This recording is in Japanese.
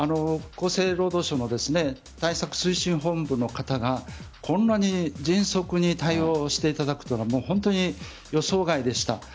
厚生労働省の対策推進本部の方がこんなに迅速に対応していただくというのは本当に予想外でした。